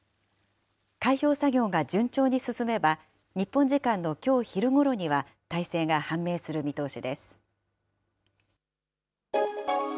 開票作業が順調に進めば、日本時間のきょう昼ごろには大勢が判明する見通しです。